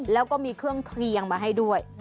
แล้วก็มีเครื่องเคลียงมาให้ด้วย